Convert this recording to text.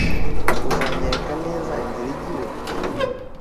Uzanyereka neza inzira ijya iwe?